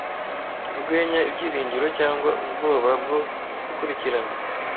Urwenya ibyiringiro cyangwa ubwoba bwo gukurikirana,